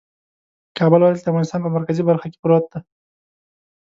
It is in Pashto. کابل ولایت د افغانستان په مرکزي برخه کې پروت دی